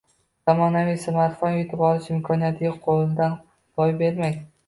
Zamonaviy smartfon yutib olish imkoniyatini qo‘ldan boy bermang!